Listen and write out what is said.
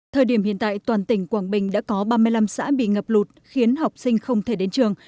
thời điểm hiện tại toàn tỉnh quảng bình đã có ba mươi năm xã bị ngập lụt khiến học sinh không thể đến trường